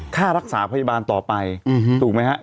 ค่ารักษาพยาบาลต่อไปถูกไหมฮะ